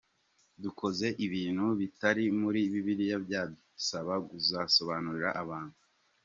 Dukoze ibintu bitari muri bibiliya byadusaba gusobanurira abantu.